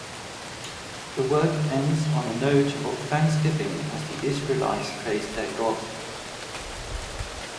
The work ends on a note of thanksgiving as the Israelites praise their God.